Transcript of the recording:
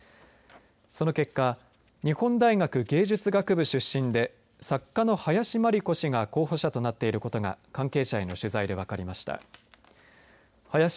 その結果日本大学芸術学部出身で作家の林真理子氏が候補者となっていることが関係者への取材で分かりました。